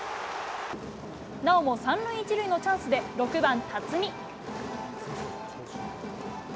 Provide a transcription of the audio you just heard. なおも３塁１塁のチャンスで、６番辰己。